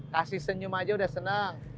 kasih senyum aja udah senang